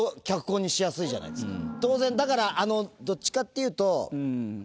当然だからどっちかっていうと。